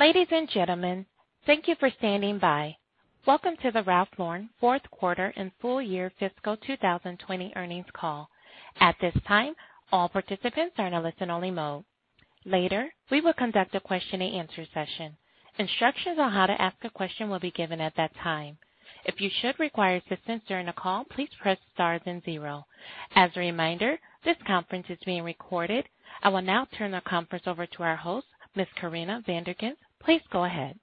Ladies and gentlemen, thank you for standing by. Welcome to the Ralph Lauren fourth quarter and full year fiscal 2020 earnings call. At this time, all participants are in a listen-only mode. Later, we will conduct a question and answer session. Instructions on how to ask a question will be given at that time. If you should require assistance during the call, please press star then zero. As a reminder, this conference is being recorded. I will now turn the conference over to our host, Ms. Corinna Van der Ghinst. Please go ahead.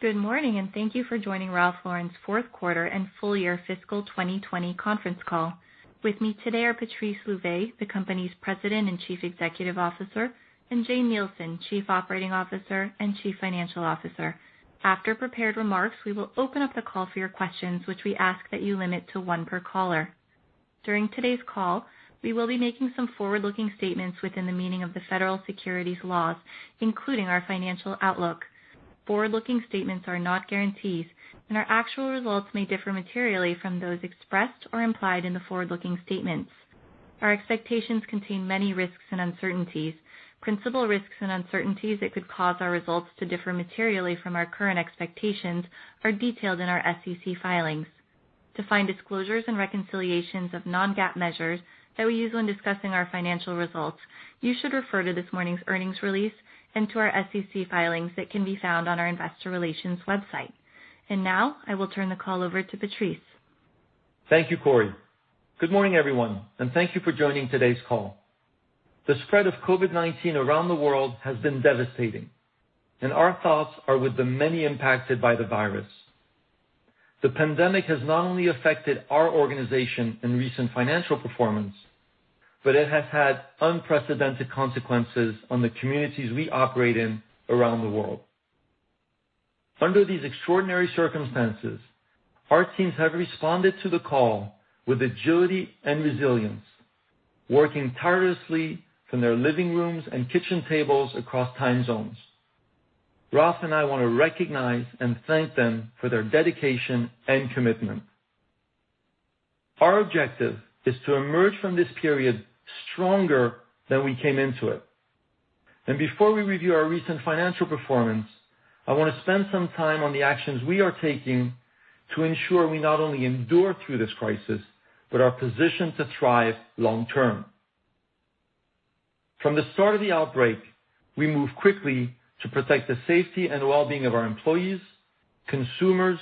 Good morning and thank you for joining Ralph Lauren's fourth quarter and full year fiscal 2020 conference call. With me today are Patrice Louvet, the company's President and Chief Executive Officer, and Jane Nielsen, Chief Operating Officer and Chief Financial Officer. After prepared remarks, we will open up the call for your questions, which we ask that you limit to one per caller. During today's call, we will be making some forward-looking statements within the meaning of the federal securities laws, including our financial outlook. Forward-looking statements are not guarantees, and our actual results may differ materially from those expressed or implied in the forward-looking statements. Our expectations contain many risks and uncertainties. Principal risks and uncertainties that could cause our results to differ materially from our current expectations are detailed in our SEC filings. To find disclosures and reconciliations of non-GAAP measures that we use when discussing our financial results, you should refer to this morning's earnings release and to our SEC filings that can be found on our investor relations website. Now, I will turn the call over to Patrice. Thank you, Corie. Good morning, everyone, and thank you for joining today's call. The spread of COVID-19 around the world has been devastating, and our thoughts are with the many impacted by the virus. The pandemic has not only affected our organization and recent financial performance, but it has had unprecedented consequences on the communities we operate in around the world. Under these extraordinary circumstances, our teams have responded to the call with agility and resilience, working tirelessly from their living rooms and kitchen tables across time zones. Ralph and I want to recognize and thank them for their dedication and commitment. Our objective is to emerge from this period stronger than we came into it. Before we review our recent financial performance, I want to spend some time on the actions we are taking to ensure we not only endure through this crisis, but are positioned to thrive long term. From the start of the outbreak, we moved quickly to protect the safety and wellbeing of our employees, consumers,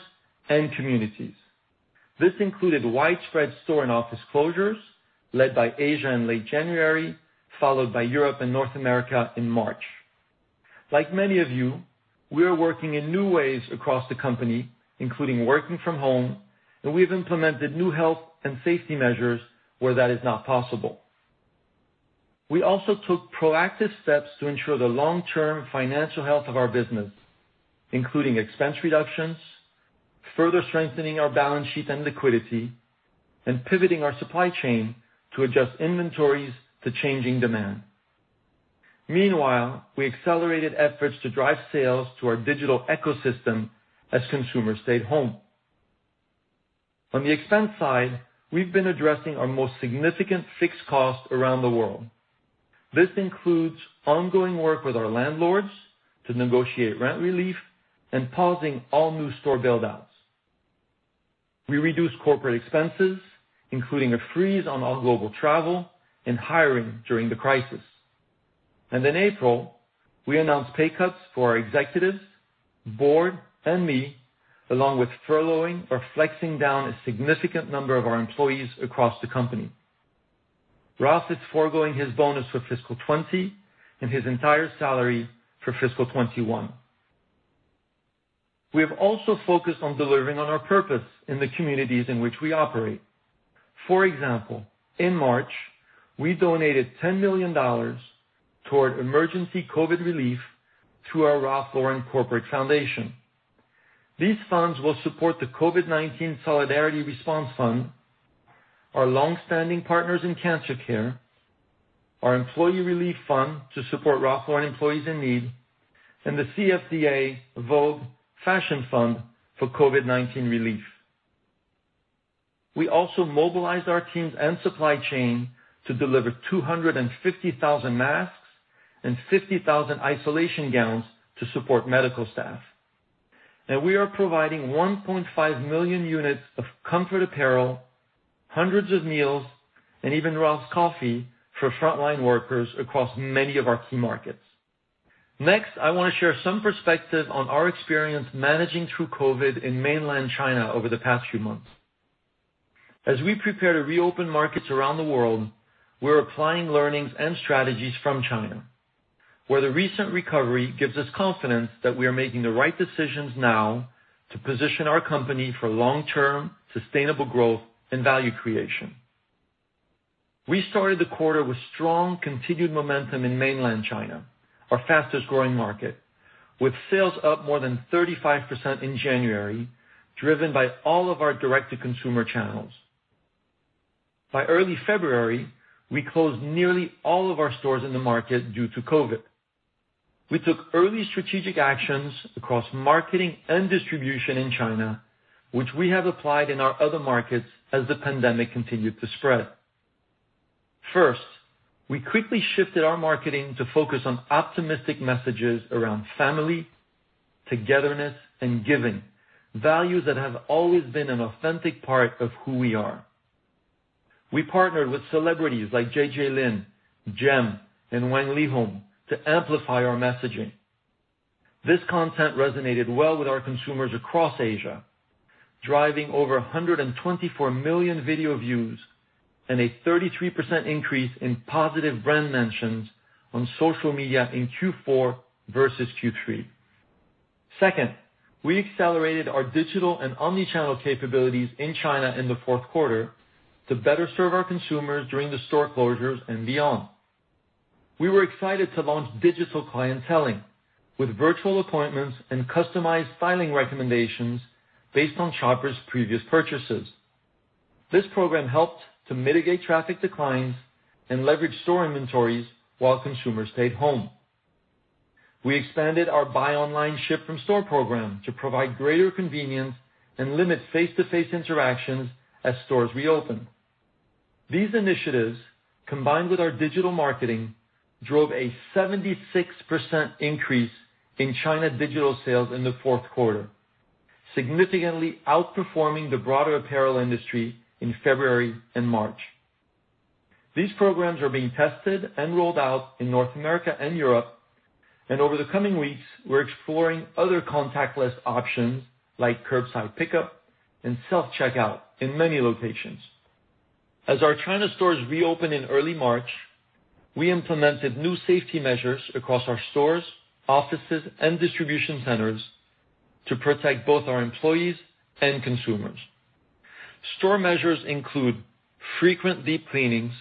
and communities. This included widespread store and office closures led by Asia in late January, followed by Europe and North America in March. Like many of you, we are working in new ways across the company, including working from home, and we've implemented new health and safety measures where that is not possible. We also took proactive steps to ensure the long-term financial health of our business, including expense reductions, further strengthening our balance sheet and liquidity, and pivoting our supply chain to adjust inventories to changing demand. Meanwhile, we accelerated efforts to drive sales to our digital ecosystem as consumers stayed home. On the expense side, we've been addressing our most significant fixed costs around the world. This includes ongoing work with our landlords to negotiate rent relief and pausing all new store build-outs. We reduced corporate expenses, including a freeze on all global travel and hiring during the crisis. In April, we announced pay cuts for our executives, board, and me, along with furloughing or flexing down a significant number of our employees across the company. Ralph is foregoing his bonus for fiscal 2020 and his entire salary for fiscal 2021. We have also focused on delivering on our purpose in the communities in which we operate. For example, in March, we donated $10 million toward emergency COVID-19 relief through our Ralph Lauren Corporate Foundation. These funds will support the COVID-19 Solidarity Response Fund, our longstanding partners in cancer care, our employee relief fund to support Ralph Lauren employees in need, and the CFDA/Vogue Fashion Fund for COVID-19 relief. We also mobilized our teams and supply chain to deliver 250,000 masks and 50,000 isolation gowns to support medical staff. We are providing 1.5 million units of comfort apparel, hundreds of meals, and even Ralph's Coffee for frontline workers across many of our key markets. Next, I want to share some perspective on our experience managing through COVID-19 in mainland China over the past few months. As we prepare to reopen markets around the world, we're applying learnings and strategies from China, where the recent recovery gives us confidence that we are making the right decisions now to position our company for long-term, sustainable growth and value creation. We started the quarter with strong continued momentum in mainland China, our fastest-growing market, with sales up more than 35% in January, driven by all of our direct-to-consumer channels. By early February, we closed nearly all of our stores in the market due to COVID-19. We took early strategic actions across marketing and distribution in China, which we have applied in our other markets as the pandemic continued to spread. First, we quickly shifted our marketing to focus on optimistic messages around family, togetherness, and giving, values that have always been an authentic part of who we are. We partnered with celebrities like JJ Lin, G.E.M., and Wang Leehom to amplify our messaging. This content resonated well with our consumers across Asia, driving over 124 million video views and a 33% increase in positive brand mentions on social media in Q4 versus Q3. Second, we accelerated our digital and omni-channel capabilities in China in the fourth quarter to better serve our consumers during the store closures and beyond. We were excited to launch digital clienteling with virtual appointments and customized styling recommendations based on shoppers' previous purchases. This program helped to mitigate traffic declines and leverage store inventories while consumers stayed home. We expanded our buy online ship from store program to provide greater convenience and limit face-to-face interactions as stores reopened. These initiatives, combined with our digital marketing, drove a 76% increase in China digital sales in the fourth quarter, significantly outperforming the broader apparel industry in February and March. These programs are being tested and rolled out in North America and Europe, and over the coming weeks, we're exploring other contactless options like curbside pickup and self-checkout in many locations. As our China stores reopened in early March, we implemented new safety measures across our stores, offices, and distribution centers to protect both our employees and consumers. Store measures include frequent deep cleanings,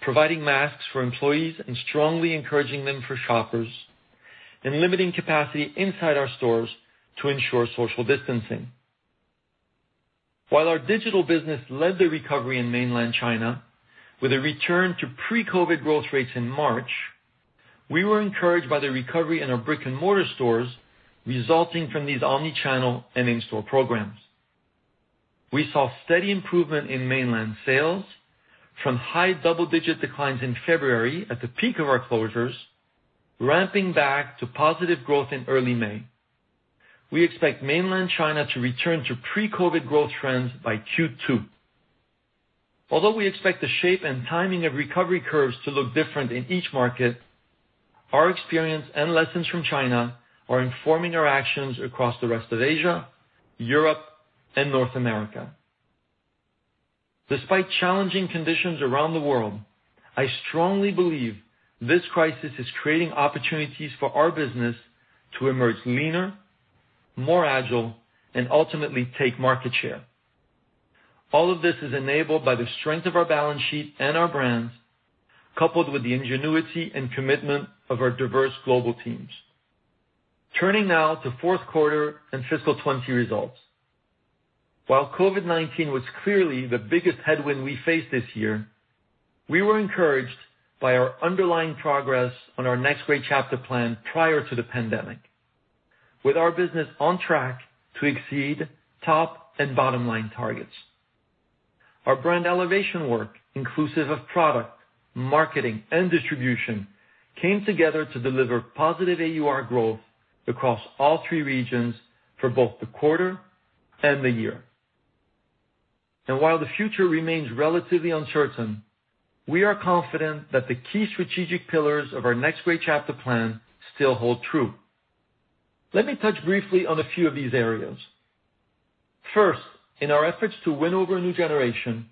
providing masks for employees and strongly encouraging them for shoppers, and limiting capacity inside our stores to ensure social distancing. While our digital business led the recovery in mainland China with a return to pre-COVID-19 growth rates in March, we were encouraged by the recovery in our brick-and-mortar stores resulting from these omni-channel and in-store programs. We saw steady improvement in mainland sales from high double-digit declines in February at the peak of our closures, ramping back to positive growth in early May. We expect mainland China to return to pre-COVID-19 growth trends by Q2. Although we expect the shape and timing of recovery curves to look different in each market, our experience and lessons from China are informing our actions across the rest of Asia, Europe, and North America. Despite challenging conditions around the world, I strongly believe this crisis is creating opportunities for our business to emerge leaner, more agile, and ultimately take market share. All of this is enabled by the strength of our balance sheet and our brands, coupled with the ingenuity and commitment of our diverse global teams. Turning now to fourth quarter and fiscal 2020 results. While COVID-19 was clearly the biggest headwind we faced this year, we were encouraged by our underlying progress on our Next Great Chapter plan prior to the pandemic, with our business on track to exceed top and bottom-line targets. Our brand elevation work, inclusive of product, marketing, and distribution, came together to deliver positive AUR growth across all three regions for both the quarter and the year. While the future remains relatively uncertain, we are confident that the key strategic pillars of our Next Great Chapter plan still hold true. Let me touch briefly on a few of these areas. First, in our efforts to win over a new generation,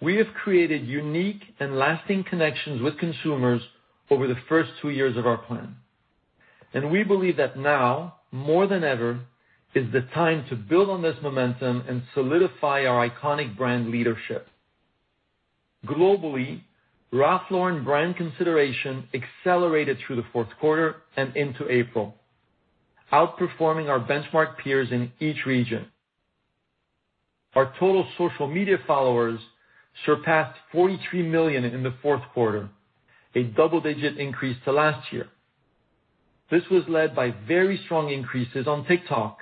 we have created unique and lasting connections with consumers over the first two years of our plan. We believe that now, more than ever, is the time to build on this momentum and solidify our iconic brand leadership. Globally, Ralph Lauren brand consideration accelerated through the fourth quarter and into April, outperforming our benchmark peers in each region. Our total social media followers surpassed 43 million in the fourth quarter, a double-digit increase to last year. This was led by very strong increases on TikTok,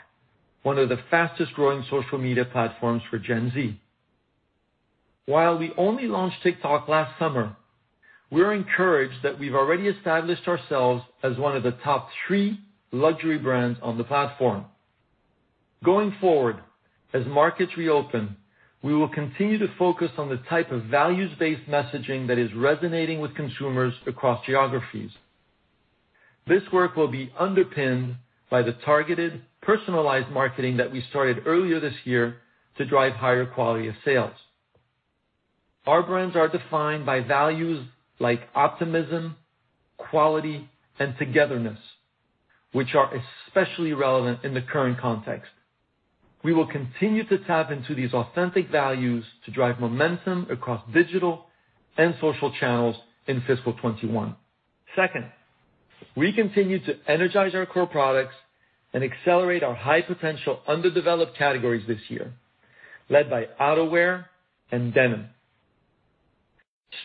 one of the fastest-growing social media platforms for Gen Z. While we only launched TikTok last summer, we are encouraged that we've already established ourselves as one of the top three luxury brands on the platform. Going forward, as markets reopen, we will continue to focus on the type of values-based messaging that is resonating with consumers across geographies. This work will be underpinned by the targeted, personalized marketing that we started earlier this year to drive higher quality of sales. Our brands are defined by values like optimism, quality, and togetherness, which are especially relevant in the current context. We will continue to tap into these authentic values to drive momentum across digital and social channels in fiscal 2021. Second, we continue to energize our core products and accelerate our high-potential underdeveloped categories this year, led by outerwear and denim.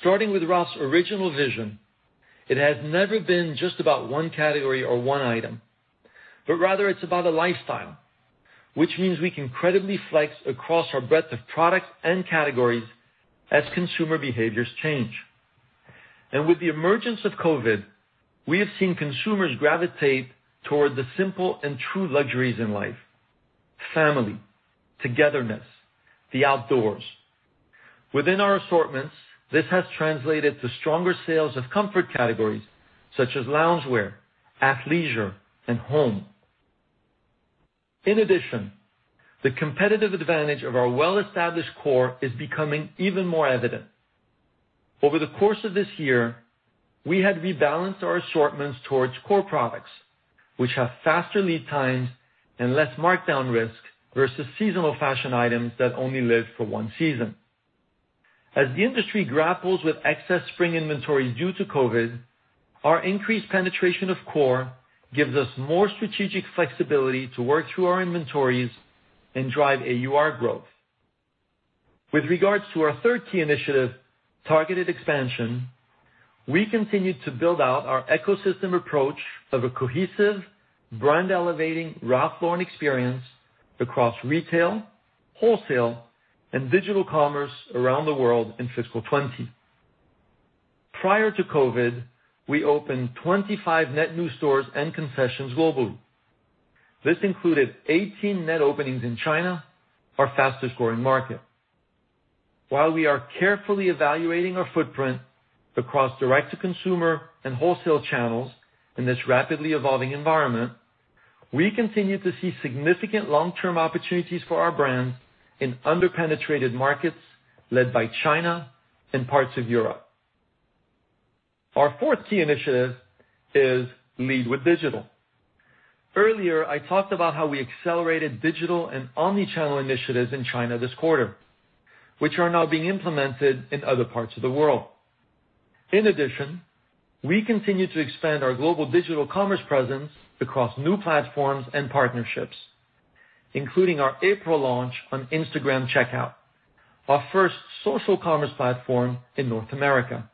Starting with Ralph's original vision, it has never been just about one category or one item. Rather it's about a lifestyle, which means we can credibly flex across our breadth of products and categories as consumer behaviors change. With the emergence of COVID, we have seen consumers gravitate toward the simple and true luxuries in life, family, togetherness, the outdoors. Within our assortments, this has translated to stronger sales of comfort categories such as loungewear, athleisure, and home. In addition, the competitive advantage of our well-established core is becoming even more evident. Over the course of this year, we had rebalanced our assortments towards core products, which have faster lead times and less markdown risk versus seasonal fashion items that only live for one season. As the industry grapples with excess spring inventories due to COVID-19, our increased penetration of core gives us more strategic flexibility to work through our inventories and drive AUR growth. With regards to our third key initiative, targeted expansion, we continued to build out our ecosystem approach of a cohesive, brand-elevating Ralph Lauren experience across retail, wholesale, and digital commerce around the world in fiscal 2020. Prior to COVID-19, we opened 25 net new stores and concessions globally. This included 18 net openings in China, our fastest-growing market. While we are carefully evaluating our footprint across direct-to-consumer and wholesale channels in this rapidly evolving environment, we continue to see significant long-term opportunities for our brands in under-penetrated markets led by China and parts of Europe. Our fourth key initiative is lead with digital. Earlier, I talked about how we accelerated digital and omni-channel initiatives in China this quarter, which are now being implemented in other parts of the world. We continue to expand our global digital commerce presence across new platforms and partnerships, including our April launch on Instagram Checkout, our first social commerce platform in North America,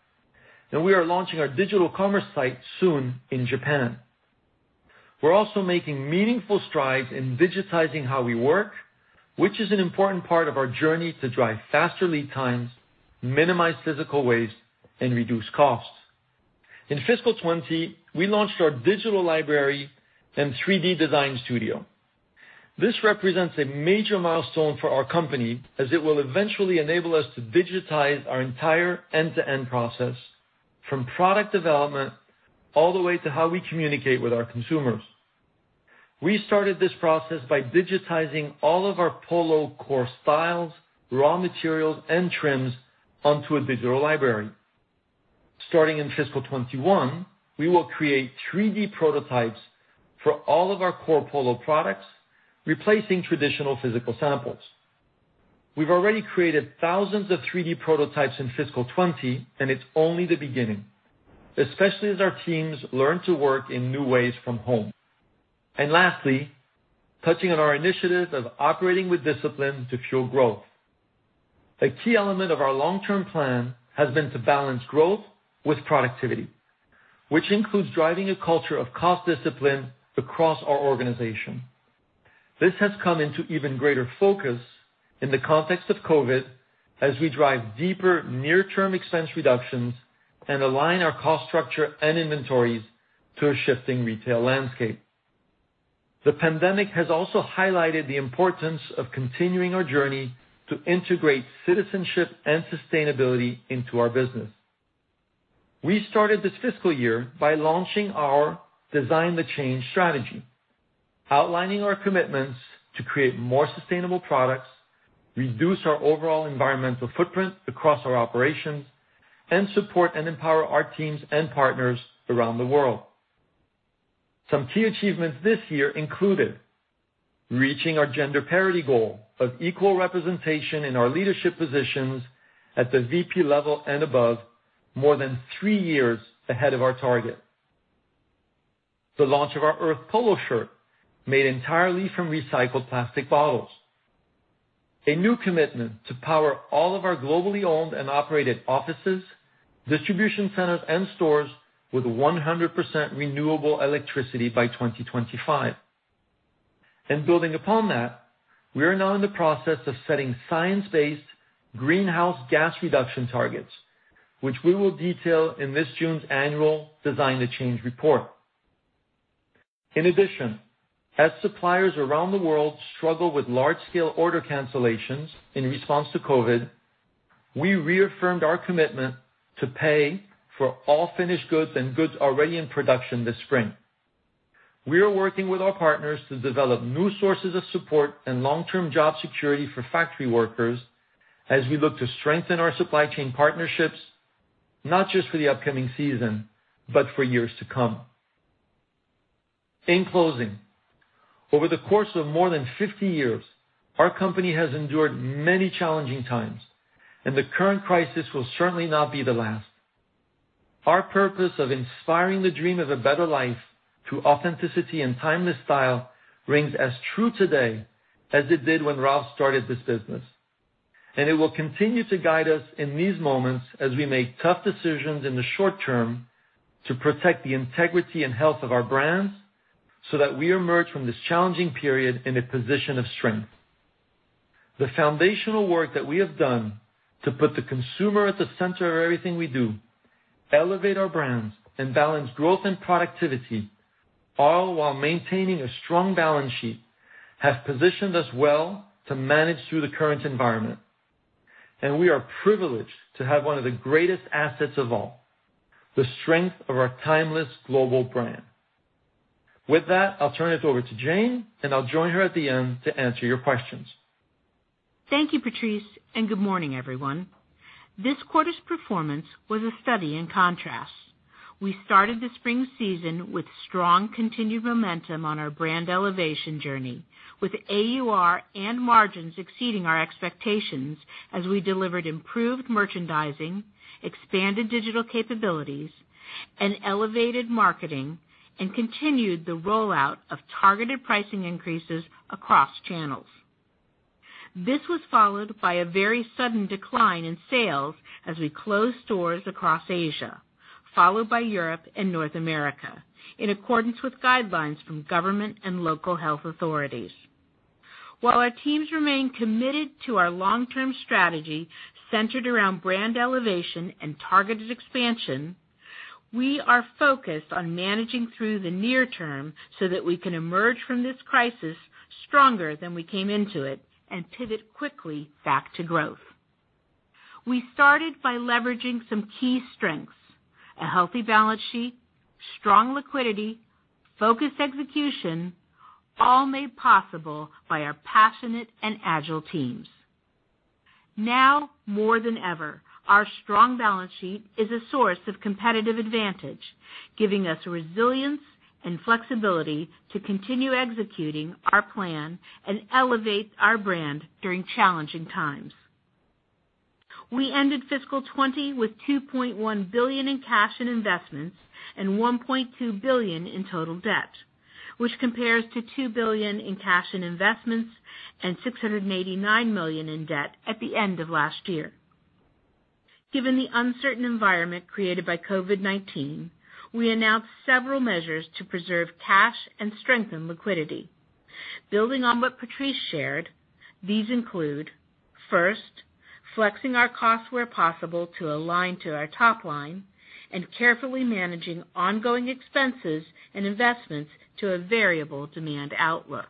and we are launching our digital commerce site soon in Japan. We're also making meaningful strides in digitizing how we work, which is an important part of our journey to drive faster lead times, minimize physical waste, and reduce costs. In FY 2020, we launched our digital library and 3D design studio. This represents a major milestone for our company as it will eventually enable us to digitize our entire end-to-end process from product development all the way to how we communicate with our consumers. We started this process by digitizing all of our Polo core styles, raw materials, and trims onto a digital library. Starting in FY 2021, we will create 3D prototypes for all of our core Polo products, replacing traditional physical samples. We've already created thousands of 3D prototypes in FY 2020, and it's only the beginning, especially as our teams learn to work in new ways from home. Lastly, touching on our initiative of operating with discipline to fuel growth. A key element of our long-term plan has been to balance growth with productivity, which includes driving a culture of cost discipline across our organization. This has come into even greater focus in the context of COVID-19 as we drive deeper near-term expense reductions and align our cost structure and inventories to a shifting retail landscape. The pandemic has also highlighted the importance of continuing our journey to integrate citizenship and sustainability into our business. We started this fiscal year by launching our Design the Change strategy, outlining our commitments to create more sustainable products, reduce our overall environmental footprint across our operations, and support and empower our teams and partners around the world. Some key achievements this year included: reaching our gender parity goal of equal representation in our leadership positions at the VP level and above, more than three years ahead of our target. The launch of our Earth Polo shirt, made entirely from recycled plastic bottles. A new commitment to power all of our globally owned and operated offices, distribution centers, and stores with 100% renewable electricity by 2025. Building upon that, we are now in the process of setting science-based greenhouse gas reduction targets, which we will detail in this June's annual Design the Change report. In addition, as suppliers around the world struggle with large-scale order cancellations in response to COVID, we reaffirmed our commitment to pay for all finished goods and goods already in production this spring. We are working with our partners to develop new sources of support and long-term job security for factory workers as we look to strengthen our supply chain partnerships, not just for the upcoming season, but for years to come. In closing, over the course of more than 50 years, our company has endured many challenging times. The current crisis will certainly not be the last. Our purpose of inspiring the dream of a better life through authenticity and timeless style rings as true today as it did when Ralph started this business. It will continue to guide us in these moments as we make tough decisions in the short term to protect the integrity and health of our brands so that we emerge from this challenging period in a position of strength. The foundational work that we have done to put the consumer at the center of everything we do, elevate our brands, and balance growth and productivity, all while maintaining a strong balance sheet, has positioned us well to manage through the current environment. We are privileged to have one of the greatest assets of all, the strength of our timeless global brand. With that, I'll turn it over to Jane, and I'll join her at the end to answer your questions. Thank you, Patrice, and good morning, everyone. This quarter's performance was a study in contrasts. We started the spring season with strong continued momentum on our brand elevation journey, with AUR and margins exceeding our expectations as we delivered improved merchandising, expanded digital capabilities, and elevated marketing, and continued the rollout of targeted pricing increases across channels. This was followed by a very sudden decline in sales as we closed stores across Asia, followed by Europe and North America, in accordance with guidelines from government and local health authorities. While our teams remain committed to our long-term strategy centered around brand elevation and targeted expansion, we are focused on managing through the near term so that we can emerge from this crisis stronger than we came into it and pivot quickly back to growth. We started by leveraging some key strengths, a healthy balance sheet, strong liquidity, focused execution, all made possible by our passionate and agile teams. Now more than ever, our strong balance sheet is a source of competitive advantage, giving us resilience and flexibility to continue executing our plan and elevate our brand during challenging times. We ended fiscal 2020 with $2.1 billion in cash and investments and $1.2 billion in total debt, which compares to $2 billion in cash and investments and $689 million in debt at the end of last year. Given the uncertain environment created by COVID-19, we announced several measures to preserve cash and strengthen liquidity. Building on what Patrice shared, these include, first, flexing our costs where possible to align to our top line and carefully managing ongoing expenses and investments to a variable demand outlook.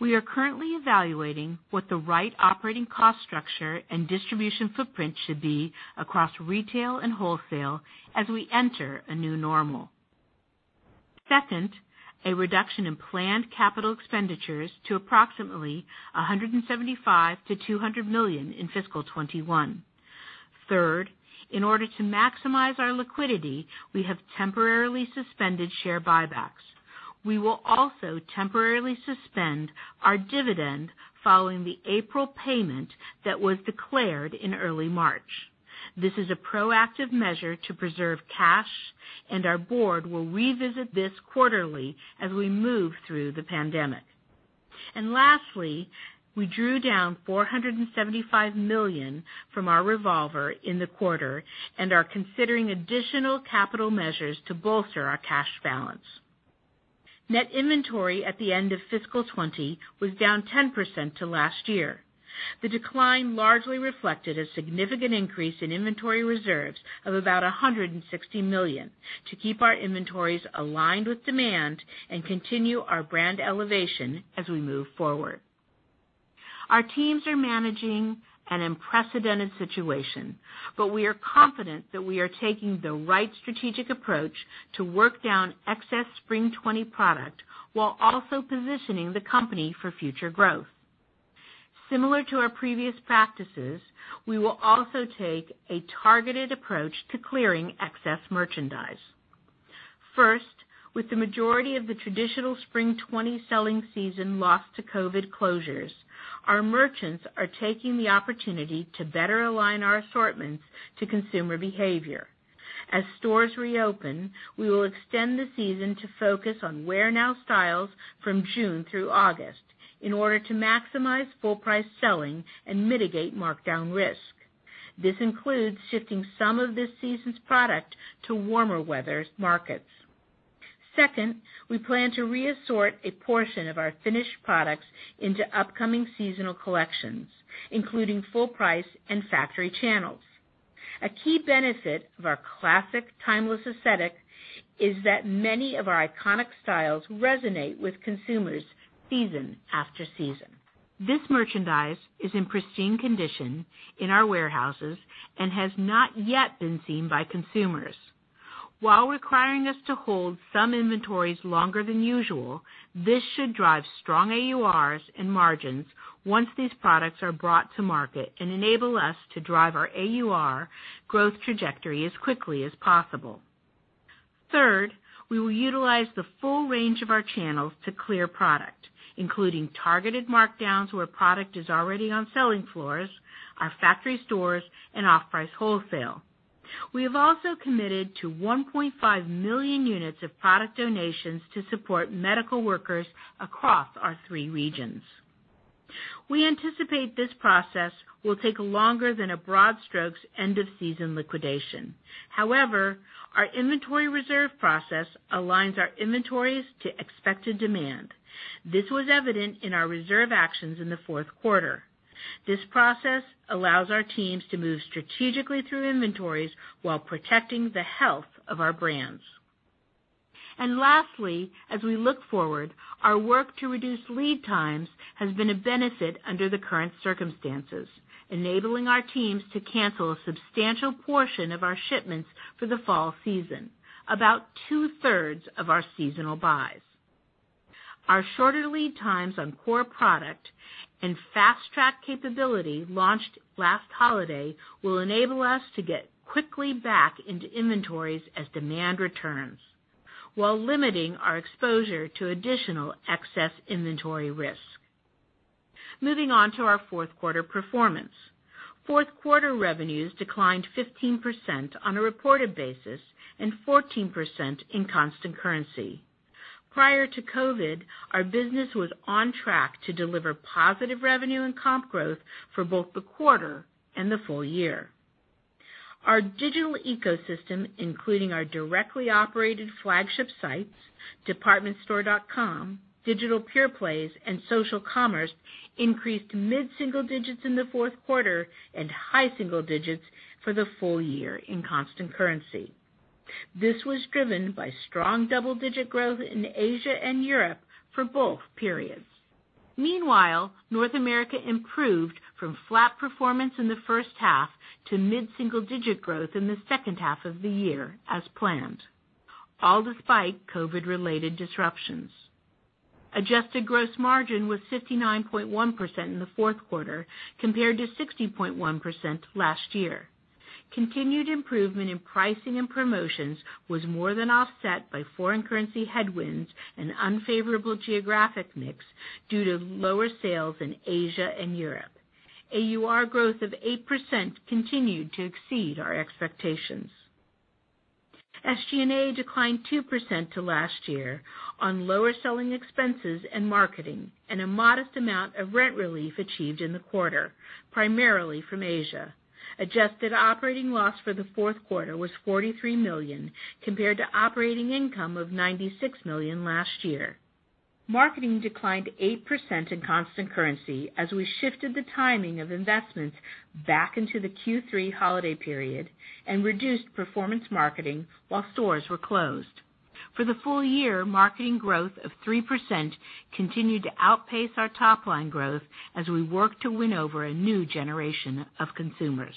We are currently evaluating what the right operating cost structure and distribution footprint should be across retail and wholesale as we enter a new normal. Second, a reduction in planned capital expenditures to approximately $175 million-$200 million in fiscal 2021. Third, in order to maximize our liquidity, we have temporarily suspended share buybacks. We will also temporarily suspend our dividend following the April payment that was declared in early March. This is a proactive measure to preserve cash, and our board will revisit this quarterly as we move through the pandemic. Lastly, we drew down $475 million from our revolver in the quarter and are considering additional capital measures to bolster our cash balance. Net inventory at the end of fiscal 2020 was down 10% to last year. The decline largely reflected a significant increase in inventory reserves of about $160 million to keep our inventories aligned with demand and continue our brand elevation as we move forward. Our teams are managing an unprecedented situation, but we are confident that we are taking the right strategic approach to work down excess spring 2020 product while also positioning the company for future growth. Similar to our previous practices, we will also take a targeted approach to clearing excess merchandise. First, with the majority of the traditional spring 2020 selling season lost to COVID closures, our merchants are taking the opportunity to better align our assortments to consumer behavior. As stores reopen, we will extend the season to focus on wear-now styles from June through August in order to maximize full price selling and mitigate markdown risk. This includes shifting some of this season's product to warmer weather markets. Second, we plan to re-assort a portion of our finished products into upcoming seasonal collections, including full price and factory channels. A key benefit of our classic, timeless aesthetic is that many of our iconic styles resonate with consumers season after season. This merchandise is in pristine condition in our warehouses and has not yet been seen by consumers. While requiring us to hold some inventories longer than usual, this should drive strong AURs and margins once these products are brought to market and enable us to drive our AUR growth trajectory as quickly as possible. Third, we will utilize the full range of our channels to clear product, including targeted markdowns where product is already on selling floors, our factory stores, and off-price wholesale. We have also committed to 1.5 million units of product donations to support medical workers across our three regions. We anticipate this process will take longer than a broad strokes end-of-season liquidation. However, our inventory reserve process aligns our inventories to expected demand. This was evident in our reserve actions in the fourth quarter. This process allows our teams to move strategically through inventories while protecting the health of our brands. Lastly, as we look forward, our work to reduce lead times has been a benefit under the current circumstances, enabling our teams to cancel a substantial portion of our shipments for the fall season, about two-thirds of our seasonal buys. Our shorter lead times on core product and fast track capability launched last holiday will enable us to get quickly back into inventories as demand returns while limiting our exposure to additional excess inventory risk. Moving on to our fourth quarter performance. Fourth quarter revenues declined 15% on a reported basis and 14% in constant currency. Prior to COVID-19, our business was on track to deliver positive revenue and comp growth for both the quarter and the full year. Our digital ecosystem, including our directly operated flagship sites, department store.com, digital pure plays, and social commerce, increased mid-single digits in the fourth quarter and high single digits for the full year in constant currency. This was driven by strong double-digit growth in Asia and Europe for both periods. Meanwhile, North America improved from flat performance in the first half to mid-single digit growth in the second half of the year as planned, all despite COVID-19-related disruptions. Adjusted gross margin was 59.1% in the fourth quarter, compared to 60.1% last year. Continued improvement in pricing and promotions was more than offset by foreign currency headwinds and unfavorable geographic mix due to lower sales in Asia and Europe. AUR growth of 8% continued to exceed our expectations. SG&A declined 2% to last year on lower selling expenses and marketing and a modest amount of rent relief achieved in the quarter, primarily from Asia. Adjusted operating loss for the fourth quarter was $43 million, compared to operating income of $96 million last year. Marketing declined 8% in constant currency as we shifted the timing of investments back into the Q3 holiday period and reduced performance marketing while stores were closed. For the full year, marketing growth of 3% continued to outpace our top-line growth as we work to win over a new generation of consumers.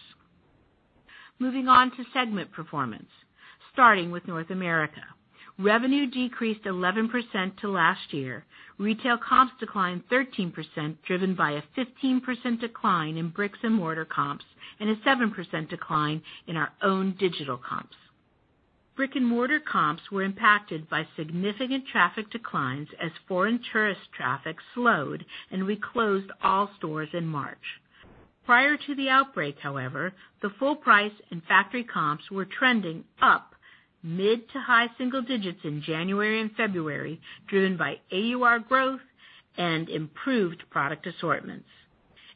Moving on to segment performance, starting with North America. Revenue decreased 11% to last year. Retail comps declined 13%, driven by a 15% decline in bricks and mortar comps and a 7% decline in our own digital comps. Brick-and-mortar comps were impacted by significant traffic declines as foreign tourist traffic slowed and we closed all stores in March. Prior to the outbreak, however, the full price and factory comps were trending up mid to high single digits in January and February, driven by AUR growth and improved product assortments.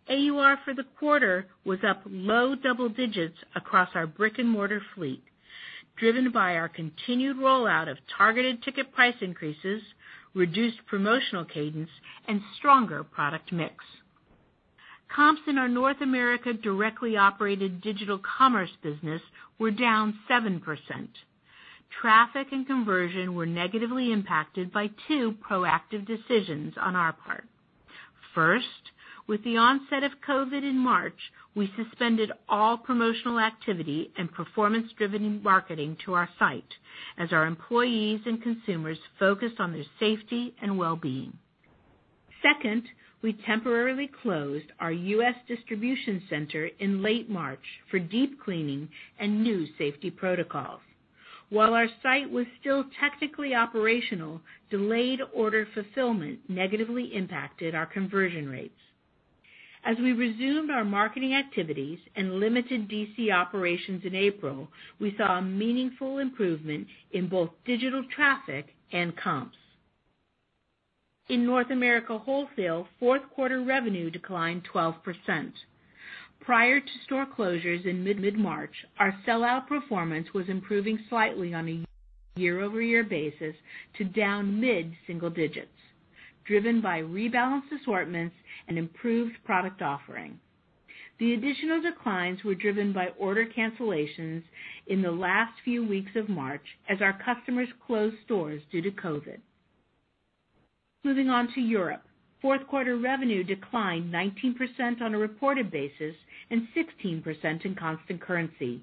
AUR for the quarter was up low double digits across our brick-and-mortar fleet, driven by our continued rollout of targeted ticket price increases, reduced promotional cadence, and stronger product mix. Comps in our North America directly operated digital commerce business were down 7%. Traffic and conversion were negatively impacted by two proactive decisions on our part. First, with the onset of COVID-19 in March, we suspended all promotional activity and performance-driven marketing to our site as our employees and consumers focused on their safety and well-being. Second, we temporarily closed our U.S. distribution center in late March for deep cleaning and new safety protocols. While our site was still technically operational, delayed order fulfillment negatively impacted our conversion rates. As we resumed our marketing activities and limited D.C. operations in April, we saw a meaningful improvement in both digital traffic and comps. In North America wholesale, fourth quarter revenue declined 12%. Prior to store closures in mid-March, our sellout performance was improving slightly on a year-over-year basis to down mid-single digits, driven by rebalanced assortments and improved product offering. The additional declines were driven by order cancellations in the last few weeks of March as our customers closed stores due to COVID-19. Moving on to Europe. Fourth quarter revenue declined 19% on a reported basis and 16% in constant currency.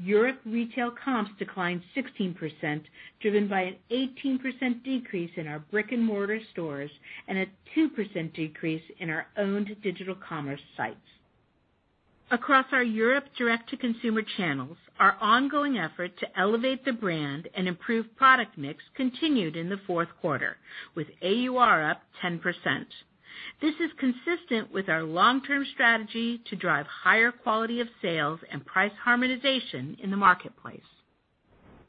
Europe retail comps declined 16%, driven by an 18% decrease in our brick-and-mortar stores and a 2% decrease in our owned digital commerce sites. Across our Europe direct-to-consumer channels, our ongoing effort to elevate the brand and improve product mix continued in the fourth quarter, with AUR up 10%. This is consistent with our long-term strategy to drive higher quality of sales and price harmonization in the marketplace.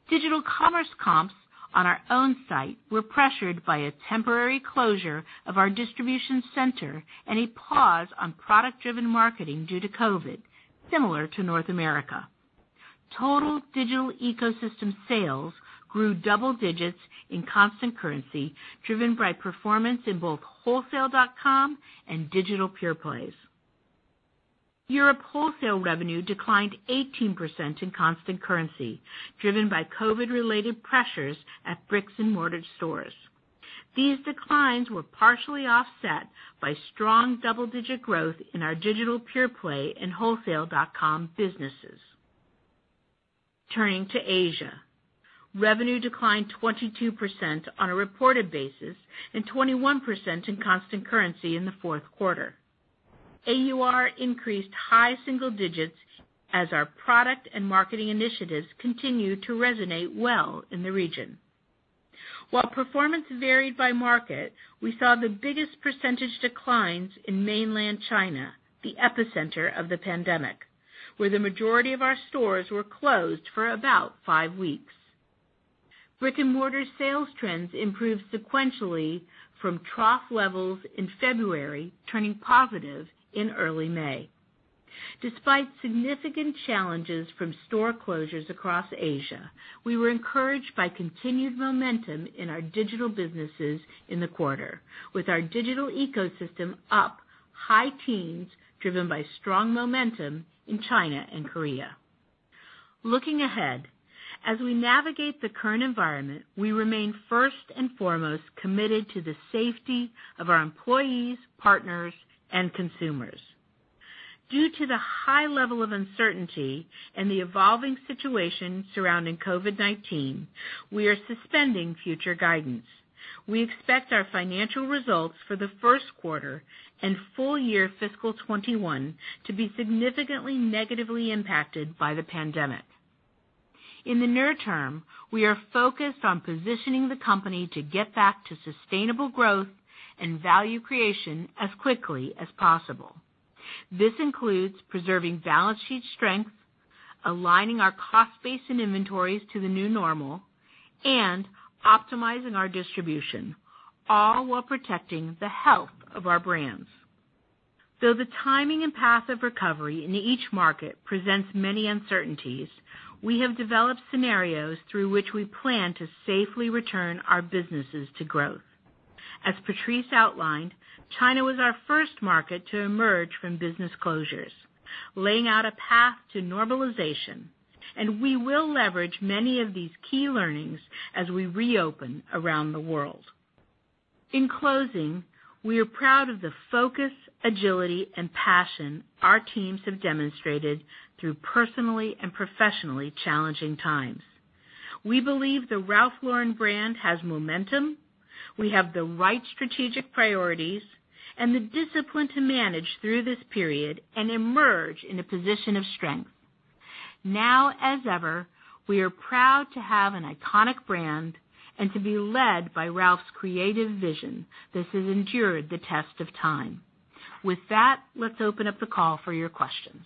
Digital commerce comps on our own site were pressured by a temporary closure of our distribution center and a pause on product-driven marketing due to COVID, similar to North America. Total digital ecosystem sales grew double digits in constant currency, driven by performance in both wholesale.com and digital pure plays. Europe wholesale revenue declined 18% in constant currency, driven by COVID-related pressures at bricks-and-mortar stores. These declines were partially offset by strong double-digit growth in our digital pure play and wholesale.com businesses. Turning to Asia. Revenue declined 22% on a reported basis and 21% in constant currency in the fourth quarter. AUR increased high single digits as our product and marketing initiatives continued to resonate well in the region. While performance varied by market, we saw the biggest percentage declines in mainland China, the epicenter of the pandemic, where the majority of our stores were closed for about five weeks. Brick-and-mortar sales trends improved sequentially from trough levels in February, turning positive in early May. Despite significant challenges from store closures across Asia, we were encouraged by continued momentum in our digital businesses in the quarter, with our digital ecosystem up high teens, driven by strong momentum in China and Korea. Looking ahead, as we navigate the current environment, we remain first and foremost committed to the safety of our employees, partners, and consumers. Due to the high level of uncertainty and the evolving situation surrounding COVID-19, we are suspending future guidance. We expect our financial results for the first quarter and full year fiscal 2021 to be significantly negatively impacted by the pandemic. In the near term, we are focused on positioning the company to get back to sustainable growth and value creation as quickly as possible. This includes preserving balance sheet strength, aligning our cost base and inventories to the new normal, and optimizing our distribution, all while protecting the health of our brands. Though the timing and path of recovery in each market presents many uncertainties, we have developed scenarios through which we plan to safely return our businesses to growth. As Patrice outlined, China was our first market to emerge from business closures, laying out a path to normalization, and we will leverage many of these key learnings as we reopen around the world. In closing, we are proud of the focus, agility, and passion our teams have demonstrated through personally and professionally challenging times. We believe the Ralph Lauren brand has momentum, we have the right strategic priorities, and the discipline to manage through this period and emerge in a position of strength. Now as ever, we are proud to have an iconic brand and to be led by Ralph's creative vision. This has endured the test of time. With that, let's open up the call for your questions.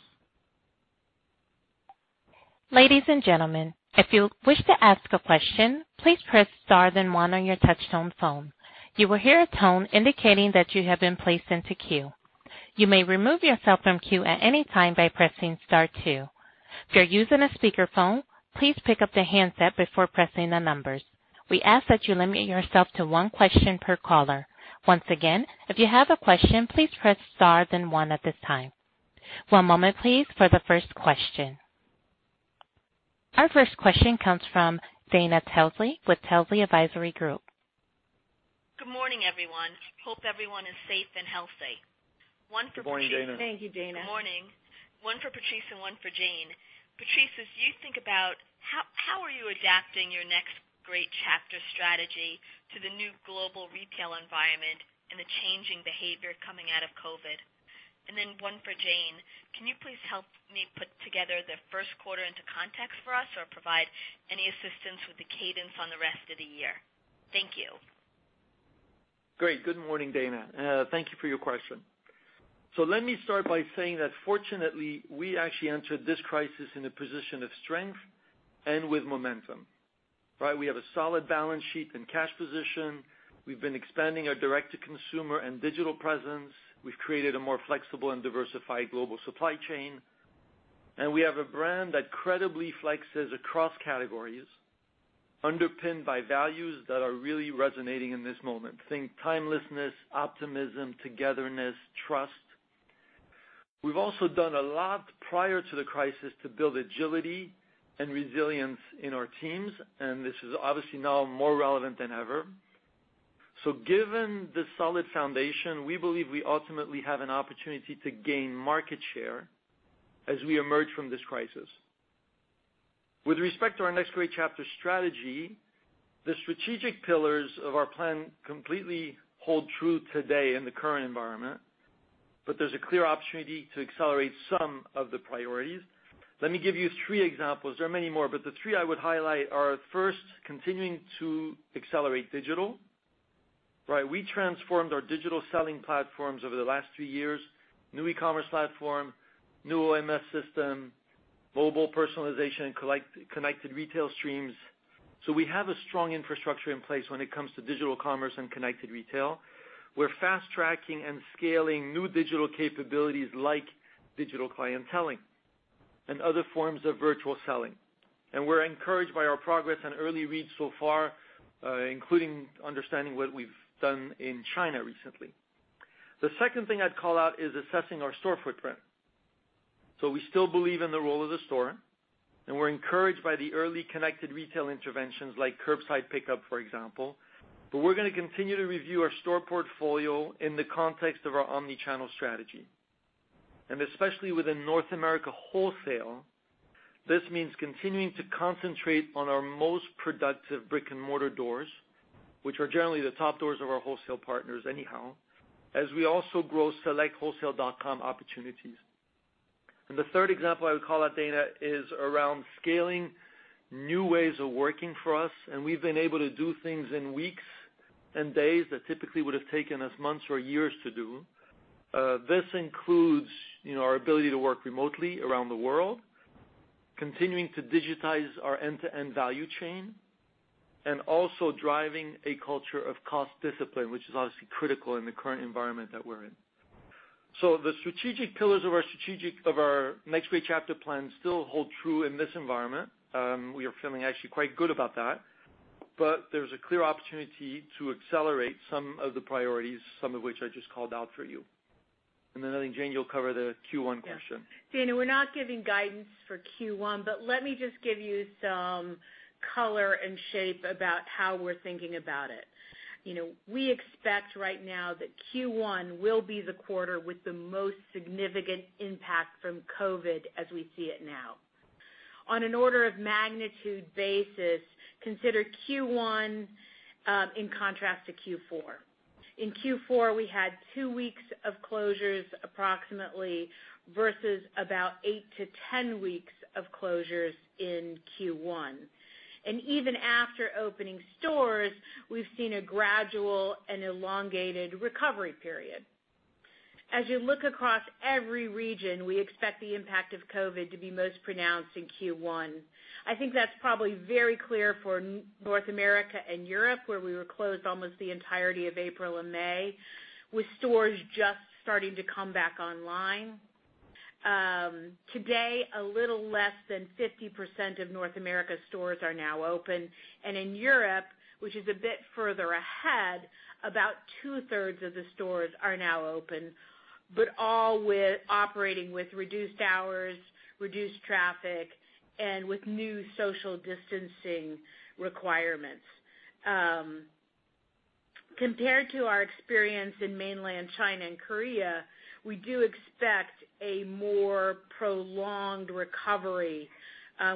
Ladies and gentlemen, if you wish to ask a question, please press star then one on your touchtone phone. You will hear a tone indicating that you have been placed into queue. You may remove yourself from queue at any time by pressing star two. If you're using a speakerphone, please pick up the handset before pressing the numbers. We ask that you limit yourself to one question per caller. Once again, if you have a question, please press star then one at this time. One moment please for the first question. Our first question comes from Dana Telsey with Telsey Advisory Group. Good morning, everyone. Hope everyone is safe and healthy. Good morning, Dana. Thank you, Dana. Good morning. One for Patrice and one for Jane. Patrice, as you think about how are you adapting your Next Great Chapter strategy to the new global retail environment and the changing behavior coming out of COVID? One for Jane. Can you please help me put together the first quarter into context for us, or provide any assistance with the cadence on the rest of the year? Thank you. Great. Good morning, Dana. Thank you for your question. Let me start by saying that fortunately, we actually entered this crisis in a position of strength and with momentum, right? We have a solid balance sheet and cash position. We've been expanding our direct-to-consumer and digital presence. We've created a more flexible and diversified global supply chain, and we have a brand that credibly flexes across categories, underpinned by values that are really resonating in this moment. Think timelessness, optimism, togetherness, trust. We've also done a lot prior to the crisis to build agility and resilience in our teams, and this is obviously now more relevant than ever. Given the solid foundation, we believe we ultimately have an opportunity to gain market share as we emerge from this crisis. With respect to our Next Great Chapter strategy, the strategic pillars of our plan completely hold true today in the current environment. There's a clear opportunity to accelerate some of the priorities. Let me give you three examples. There are many more, but the three I would highlight are, first, continuing to accelerate digital. We transformed our digital selling platforms over the last three years, new e-commerce platform, new OMS system, mobile personalization, and connected retail streams. We have a strong infrastructure in place when it comes to digital commerce and connected retail. We're fast-tracking and scaling new digital capabilities like digital clienteling and other forms of virtual selling. We're encouraged by our progress and early reads so far, including understanding what we've done in China recently. The second thing I'd call out is assessing our store footprint. We still believe in the role of the store, and we're encouraged by the early connected retail interventions like curbside pickup, for example. We're going to continue to review our store portfolio in the context of our omni-channel strategy. Especially within North America wholesale, this means continuing to concentrate on our most productive brick-and-mortar doors, which are generally the top doors of our wholesale partners anyhow, as we also grow select wholesale.com opportunities. The third example I would call out, Dana, is around scaling new ways of working for us, and we've been able to do things in weeks and days that typically would have taken us months or years to do. This includes our ability to work remotely around the world, continuing to digitize our end-to-end value chain, and also driving a culture of cost discipline, which is obviously critical in the current environment that we're in. The strategic pillars of our Next Great Chapter plan still hold true in this environment. We are feeling actually quite good about that. There's a clear opportunity to accelerate some of the priorities, some of which I just called out for you. I think, Jane, you'll cover the Q1 question. Yeah. Dana, we're not giving guidance for Q1, but let me just give you some color and shape about how we're thinking about it. We expect right now that Q1 will be the quarter with the most significant impact from COVID-19 as we see it now. On an order of magnitude basis, consider Q1 in contrast to Q4. In Q4, we had two weeks of closures approximately, versus about eight to 10 weeks of closures in Q1. Even after opening stores, we've seen a gradual and elongated recovery period. As you look across every region, we expect the impact of COVID-19 to be most pronounced in Q1. I think that's probably very clear for North America and Europe, where we were closed almost the entirety of April and May, with stores just starting to come back online. Today, a little less than 50% of North America stores are now open. In Europe, which is a bit further ahead, about two-thirds of the stores are now open, but all operating with reduced hours, reduced traffic, and with new social distancing requirements. Compared to our experience in mainland China and Korea, we do expect a more prolonged recovery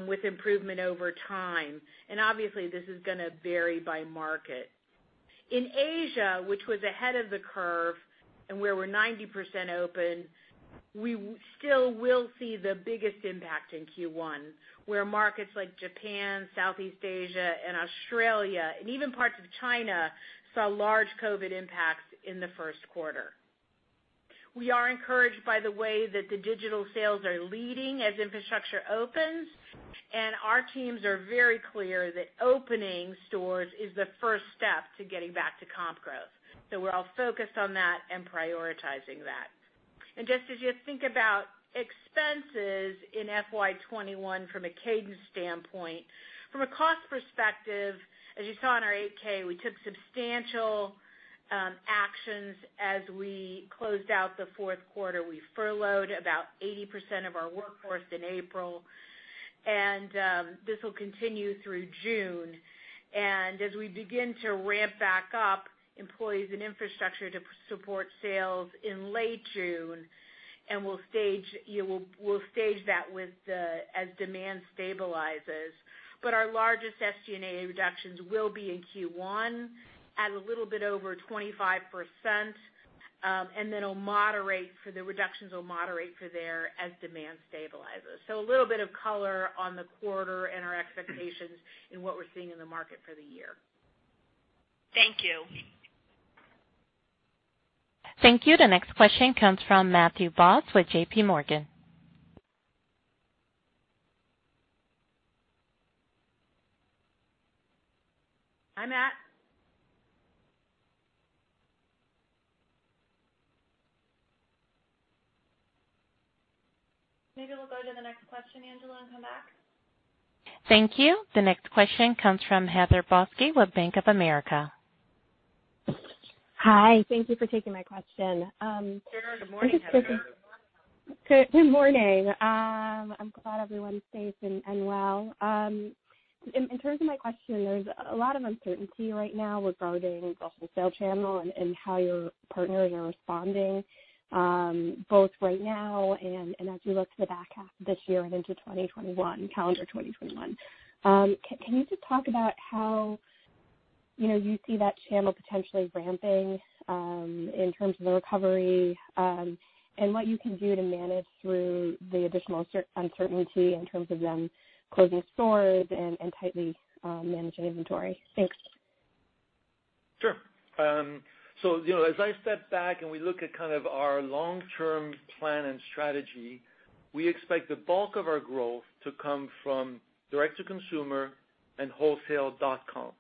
with improvement over time. Obviously, this is going to vary by market. In Asia, which was ahead of the curve and where we're 90% open, we still will see the biggest impact in Q1, where markets like Japan, Southeast Asia, and Australia, and even parts of China, saw large COVID impacts in the first quarter. We are encouraged by the way that the digital sales are leading as infrastructure opens, and our teams are very clear that opening stores is the first step to getting back to comp growth. We're all focused on that and prioritizing that. Just as you think about expenses in FY 2021 from a cadence standpoint, from a cost perspective, as you saw in our 8-K, we took substantial actions as we closed out the fourth quarter. We furloughed about 80% of our workforce in April, and this will continue through June. As we begin to ramp back up employees and infrastructure to support sales in late June, we'll stage that as demand stabilizes. Our largest SG&A reductions will be in Q1 at a little bit over 25%, and the reductions will moderate for there as demand stabilizes. A little bit of color on the quarter and our expectations in what we're seeing in the market for the year. Thank you. Thank you. The next question comes from Matthew Boss with JPMorgan. Hi, Matt. Maybe we'll go to the next question, Heather, and come back. Thank you. The next question comes from Heather Balsky with Bank of America. Hi. Thank you for taking my question. Sure. Good morning, Heather. Good morning. I'm glad everyone's safe and well. In terms of my question, there's a lot of uncertainty right now regarding the wholesale channel and how your partners are responding, both right now and as we look to the back half of this year and into calendar 2021. Can you just talk about how you see that channel potentially ramping in terms of the recovery, and what you can do to manage through the additional uncertainty in terms of them closing stores and tightly managing inventory. Thanks. Sure. As I step back and we look at our long-term plan and strategy, we expect the bulk of our growth to come from direct-to-consumer and wholesale.com.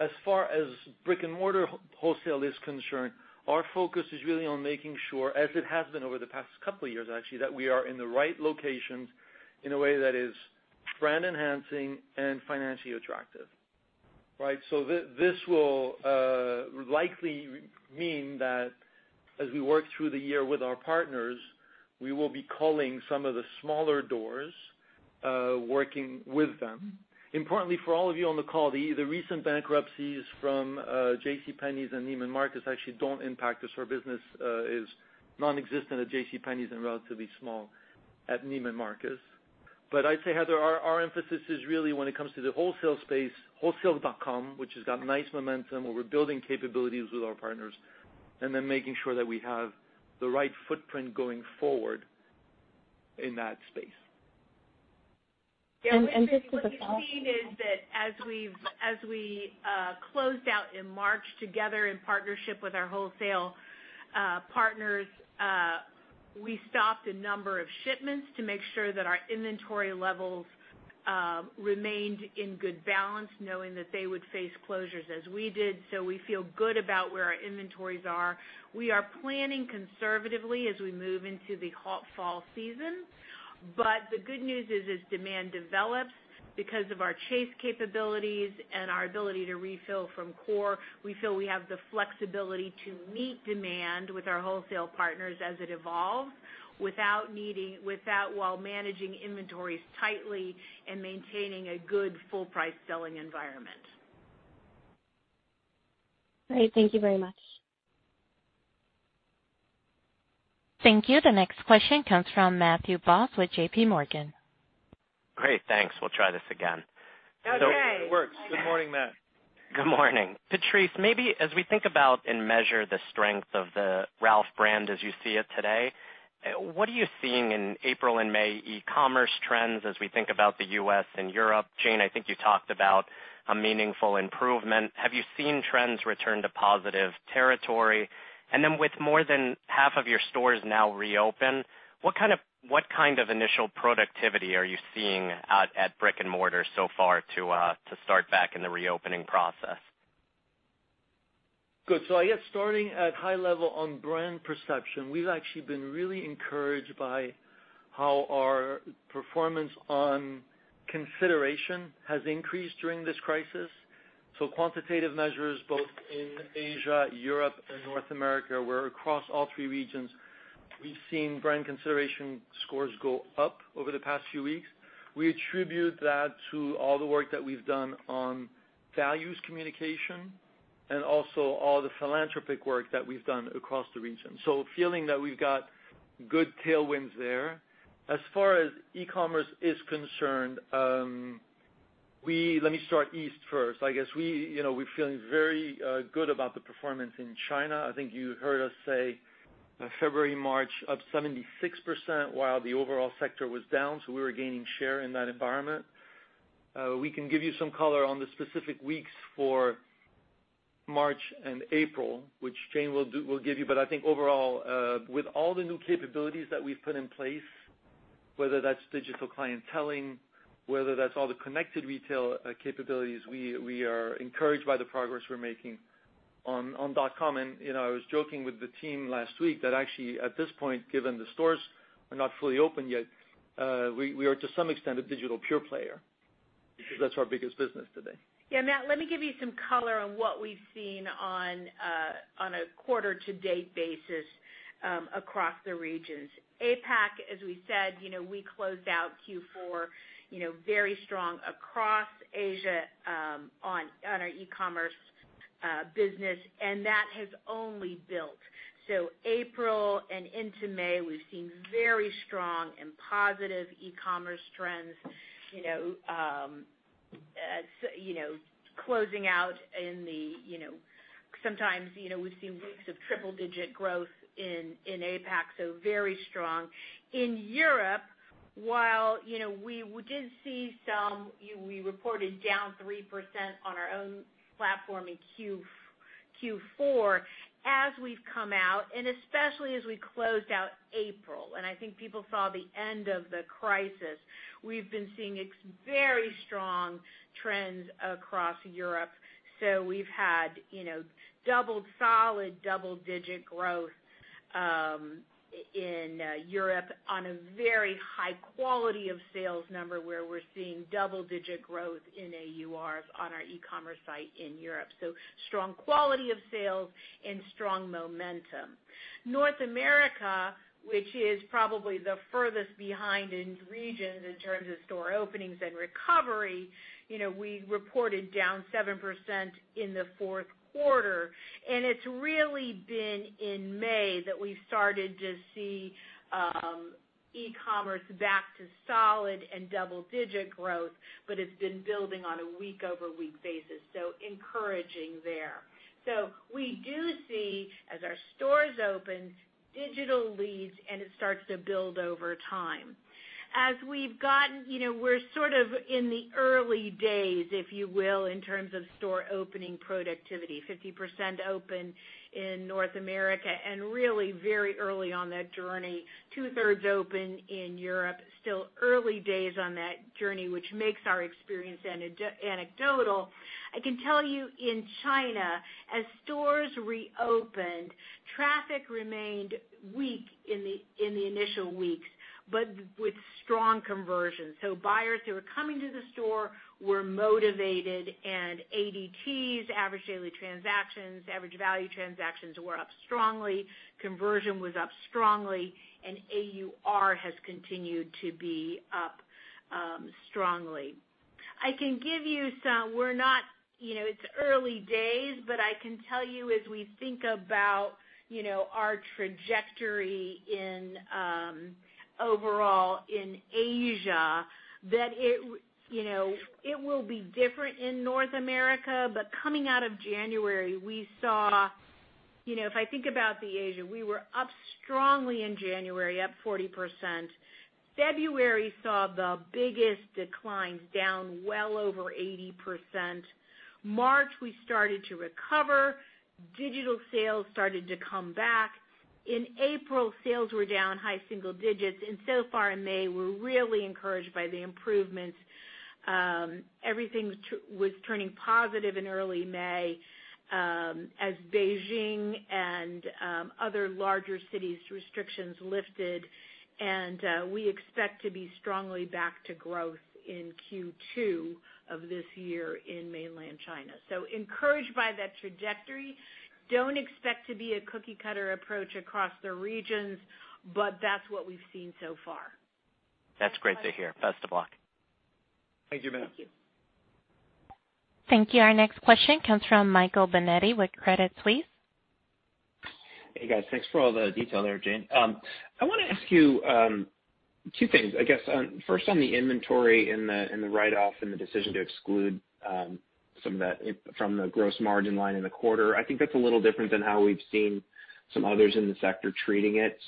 As far as brick-and-mortar wholesale is concerned, our focus is really on making sure, as it has been over the past couple of years actually, that we are in the right locations in a way that is brand-enhancing and financially attractive. Right. This will likely mean that as we work through the year with our partners, we will be culling some of the smaller doors, working with them. Importantly, for all of you on the call, the recent bankruptcies from JCPenney and Neiman Marcus actually don't impact us. Our business is non-existent at JCPenney and relatively small at Neiman Marcus. I'd say, Heather, our emphasis is really when it comes to the wholesale space, wholesale.com, which has got nice momentum, where we're building capabilities with our partners, and then making sure that we have the right footprint going forward in that space. Just as a follow-up. What we've seen is that as we closed out in March together in partnership with our wholesale partners, we stopped a number of shipments to make sure that our inventory levels remained in good balance, knowing that they would face closures as we did. We feel good about where our inventories are. We are planning conservatively as we move into the fall season. The good news is, as demand develops, because of our chase capabilities and our ability to refill from core, we feel we have the flexibility to meet demand with our wholesale partners as it evolves while managing inventories tightly and maintaining a good full-price selling environment. Great. Thank you very much. Thank you. The next question comes from Matthew Boss with JPMorgan. Great, thanks. We'll try this again. Okay. It works. Good morning, Matt. Good morning. Patrice, maybe as we think about and measure the strength of the Ralph brand as you see it today, what are you seeing in April and May e-commerce trends as we think about the U.S. and Europe? Jane, I think you talked about a meaningful improvement. Have you seen trends return to positive territory? With more than half of your stores now reopened, what kind of initial productivity are you seeing at brick-and-mortar so far to start back in the reopening process? Good. I guess starting at high level on brand perception, we've actually been really encouraged by how our performance on consideration has increased during this crisis. Quantitative measures both in Asia, Europe, and North America, where across all three regions, we've seen brand consideration scores go up over the past few weeks. We attribute that to all the work that we've done on values communication, and also all the philanthropic work that we've done across the region. Feeling that we've got good tailwinds there. As far as e-commerce is concerned, let me start East first. I guess we're feeling very good about the performance in China. I think you heard us say February, March, up 76% while the overall sector was down, so we were gaining share in that environment. We can give you some color on the specific weeks for March and April, which Jane will give you. I think overall, with all the new capabilities that we've put in place, whether that's digital clienteling, whether that's all the connected retail capabilities, we are encouraged by the progress we're making on dot-com. I was joking with the team last week that actually, at this point, given the stores are not fully open yet, we are to some extent a digital pure player because that's our biggest business today. Yeah, Matt, let me give you some color on what we've seen on a quarter to date basis across the regions. APAC, as we said, we closed out Q4 very strong across Asia on our e-commerce business, and that has only built. April and into May, we've seen very strong and positive e-commerce trends, sometimes we've seen weeks of triple-digit growth in APAC, very strong. In Europe, we reported down 3% on our own platform in Q4. As we've come out, and especially as we closed out April, and I think people saw the end of the crisis, we've been seeing very strong trends across Europe. We've had solid double-digit growth in Europe on a very high quality of sales number, where we're seeing double-digit growth in AUR on our e-commerce site in Europe. Strong quality of sales and strong momentum. North America, which is probably the furthest behind in regions in terms of store openings and recovery, we reported down 7% in the fourth quarter, and it's really been in May that we've started to see e-commerce back to solid and double-digit growth, but it's been building on a week-over-week basis. Encouraging there. We do see as our stores open, digital leads, and it starts to build over time. We're sort of in the early days, if you will, in terms of store opening productivity, 50% open in North America and really very early on that journey. Two-thirds open in Europe, still early days on that journey, which makes our experience anecdotal. I can tell you in China, as stores reopened, traffic remained weak in the initial weeks, but with strong conversion. Buyers who were coming to the store were motivated, and ADTs, average daily transactions, average value transactions were up strongly, conversion was up strongly, and AUR has continued to be up strongly. It's early days, but I can tell you as we think about our trajectory overall in Asia, that it will be different in North America. Coming out of January, we saw, if I think about Asia, we were up strongly in January, up 40%. February saw the biggest declines, down well over 80%. March, we started to recover. Digital sales started to come back. In April, sales were down high single digits, and so far in May, we're really encouraged by the improvements. Everything was turning positive in early May as Beijing and other larger cities restrictions lifted, and we expect to be strongly back to growth in Q2 of this year in mainland China. Encouraged by that trajectory. Don't expect to be a cookie-cutter approach across the regions, but that's what we've seen so far. That's great to hear. Best of luck. Thank you, Matt. Thank you. Our next question comes from Michael Binetti with Credit Suisse. Hey, guys. Thanks for all the detail there, Jane. I want to ask you two things, I guess. First, on the inventory and the write-off and the decision to exclude some of that from the gross margin line in the quarter. I think that's a little different than how we've seen some others in the sector treating it.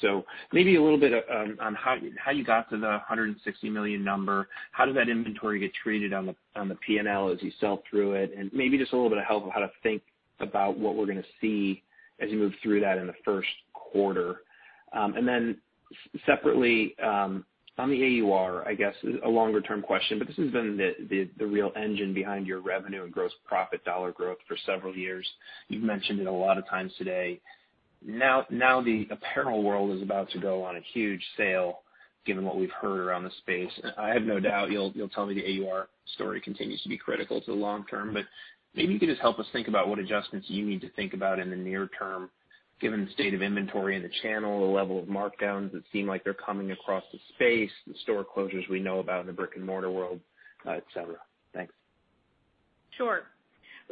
Maybe a little bit on how you got to the $160 million number. How did that inventory get treated on the P&L as you sell through it? Maybe just a little bit of help on how to think about what we're going to see as you move through that in the first quarter. Separately, on the AUR, I guess a longer-term question, but this has been the real engine behind your revenue and gross profit dollar growth for several years. You've mentioned it a lot of times today. The apparel world is about to go on a huge sale, given what we've heard around the space. I have no doubt you'll tell me the AUR story continues to be critical to the long term, but maybe you could just help us think about what adjustments you need to think about in the near term, given the state of inventory in the channel, the level of markdowns that seem like they're coming across the space, the store closures we know about in the brick and mortar world, et cetera. Thanks. Sure.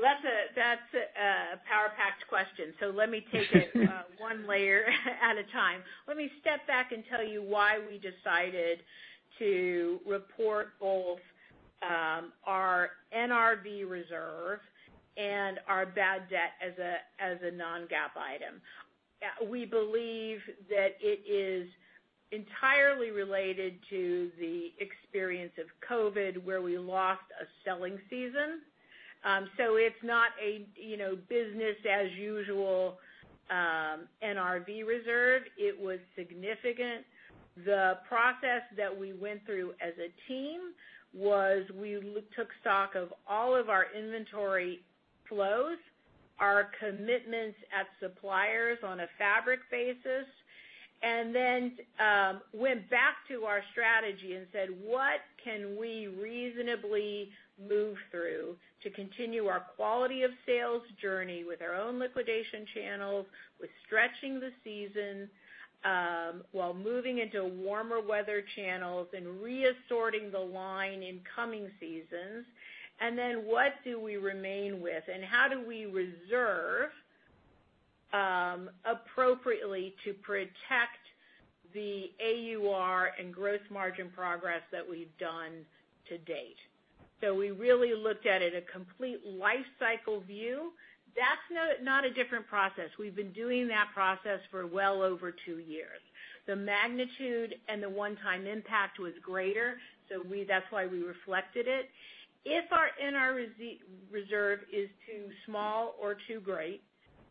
That's a power-packed question. Let me take it one layer at a time. Let me step back and tell you why we decided to report both our NRV reserve and our bad debt as a non-GAAP item. We believe that it is entirely related to the experience of COVID-19, where we lost a selling season. It's not a business as usual NRV reserve. It was significant. The process that we went through as a team was we took stock of all of our inventory flows, our commitments at suppliers on a fabric basis, and then went back to our strategy and said, "What can we reasonably move through to continue our quality of sales journey with our own liquidation channels, with stretching the season, while moving into warmer weather channels and re-assorting the line in coming seasons? Then what do we remain with, and how do we reserve appropriately to protect the AUR and gross margin progress that we've done to date? We really looked at it a complete life cycle view. That's not a different process. We've been doing that process for well over two years. The magnitude and the one-time impact was greater, so that's why we reflected it. If our NRV reserve is too small or too great,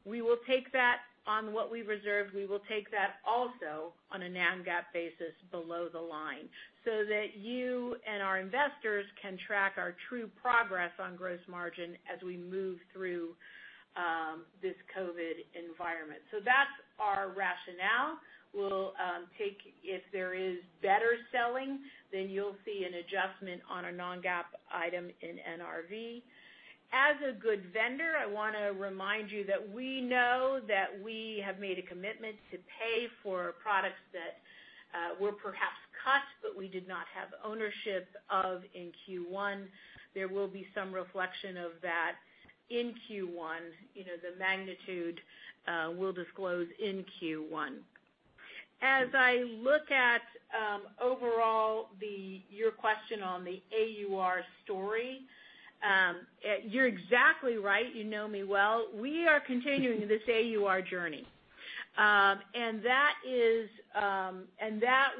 we will take that on what we reserve. We will take that also on a non-GAAP basis below the line so that you and our investors can track our true progress on gross margin as we move through this COVID-19 environment. That's our rationale. We'll take If there is better selling, then you'll see an adjustment on a non-GAAP item in NRV. As a good vendor, I want to remind you that we know that we have made a commitment to pay for products that will perhaps cut, but we did not have ownership of in Q1. There will be some reflection of that in Q1. The magnitude we'll disclose in Q1. As I look at overall, your question on the AUR story, you're exactly right. You know me well. We are continuing this AUR journey. That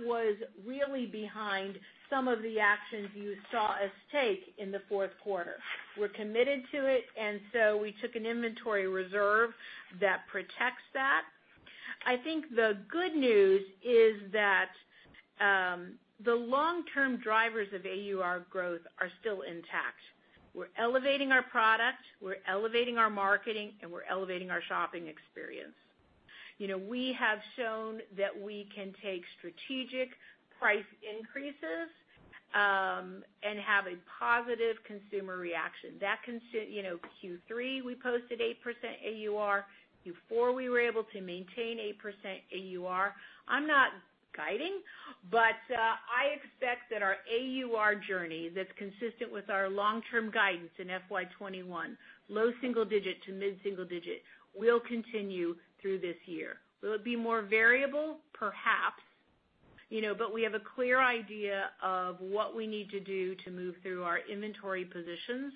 was really behind some of the actions you saw us take in the fourth quarter. We're committed to it, we took an inventory reserve that protects that. I think the good news is that the long-term drivers of AUR growth are still intact. We're elevating our product, we're elevating our marketing, and we're elevating our shopping experience. We have shown that we can take strategic price increases and have a positive consumer reaction. Q3, we posted 8% AUR. Q4, we were able to maintain 8% AUR. I'm not guiding, but I expect that our AUR journey that's consistent with our long-term guidance in FY 2021, low single digit to mid single digit, will continue through this year. Will it be more variable? Perhaps. We have a clear idea of what we need to do to move through our inventory positions.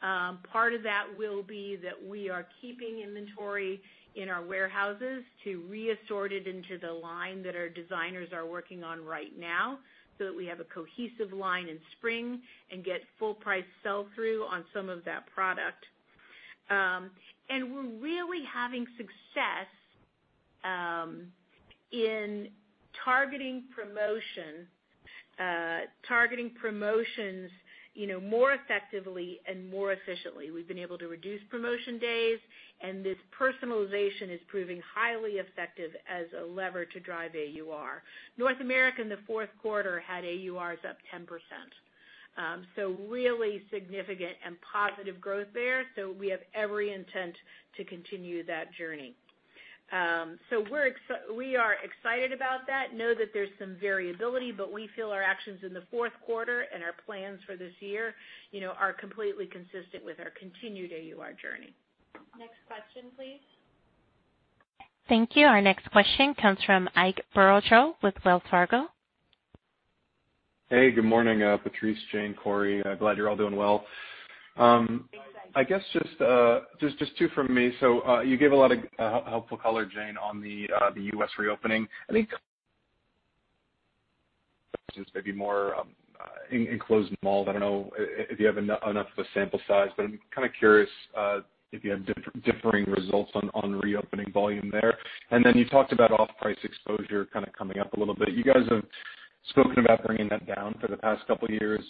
Part of that will be that we are keeping inventory in our warehouses to re-assort it into the line that our designers are working on right now, so that we have a cohesive line in spring and get full price sell-through on some of that product. We're really having success in targeting promotions more effectively and more efficiently. We've been able to reduce promotion days, and this personalization is proving highly effective as a lever to drive AUR. North America in the fourth quarter had AURs up 10%. Really significant and positive growth there. We have every intent to continue that journey. We are excited about that, know that there's some variability, but we feel our actions in the fourth quarter and our plans for this year are completely consistent with our continued AUR journey. Next question, please. Thank you. Our next question comes from Ike Boruchow with Wells Fargo. Hey, good morning, Patrice, Jane, Corie. Glad you're all doing well. Thanks, Ike. I guess just two from me. You gave a lot of helpful color, Jane, on the U.S. reopening. I think maybe more enclosed malls. I don't know if you have enough of a sample size, but I'm kind of curious if you have differing results on reopening volume there. Then you talked about off-price exposure kind of coming up a little bit. You guys have spoken about bringing that down for the past couple of years.